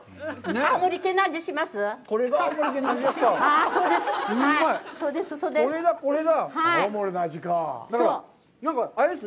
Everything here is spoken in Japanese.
青森県の味します？